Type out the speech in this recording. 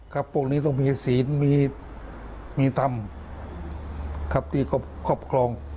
พวกนี้ต้องมีศีลมีธรรมครับที่ครอบครอง